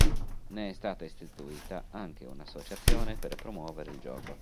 Ne è stata istituita anche un'associazione per promuovere il gioco.